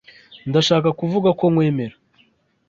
Ndashaka kuvuga ko nkwemera.